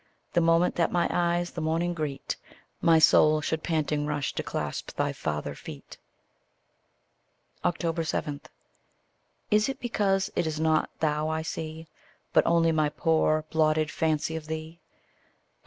The moment that my eyes the morning greet, My soul should panting rush to clasp thy father feet. 7. Is it because it is not thou I see, But only my poor, blotted fancy of thee? Oh!